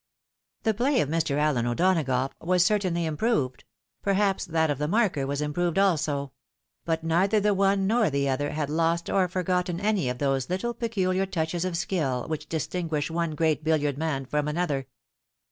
The play of Mr. Allen O'Donagough was certainly im proved ; perhaps that of the marker was improved also ; but neither 'the one nor the other had lost or forgotten any of those little peculiar touches of skill which distinguish one great bil liard man from another.